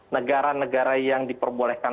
negara negara yang diperbolehkan